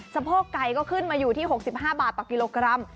สะโพกไก่ก็ขึ้นมาอยู่ที่๖๕บาทต่อกิโลกรัม